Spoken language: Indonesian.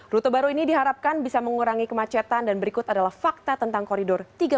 rute baru ini diharapkan bisa mengurangi kemacetan dan berikut adalah fakta tentang koridor tiga belas